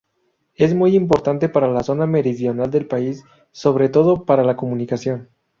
Es muy importante para la zona meridional del país, sobre todo por la comunicación.